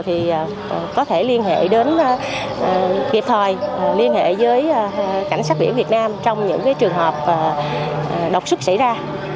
thì có thể liên hệ đến kịp thời liên hệ với cảnh sát biển việt nam trong những trường hợp độc sức xảy ra